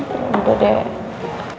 kan ada matahari bisa kejemur